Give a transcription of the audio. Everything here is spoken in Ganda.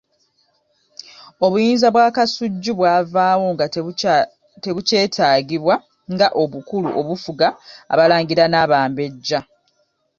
Obuyinza bwa Kasujju bwavaawo nga tebukyetaagibwa nga obukulu obufuga abalangira n'abambejja.